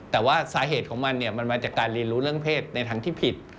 แต่ว่าสาเหตุของมันเนี่ยมันมาจากการเรียนรู้เรื่องเพศในทางที่ผิด